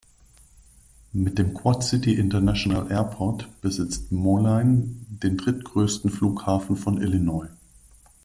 Mit dem Quad City International Airport besitzt Moline den drittgrößten Flughafen von Illinois.